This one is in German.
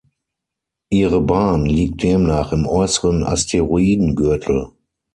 Ihre Bahn liegt demnach im äußeren Asteroidengürtel.